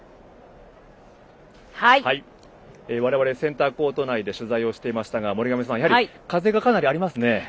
我々、センターコート内で取材をしていましたが森上さん、やはり風がかなりありますね。